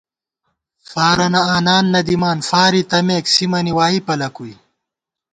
فارَنہ آنان نہ دِمان فارے تمېک سِمَنی وائی پلَکُوئی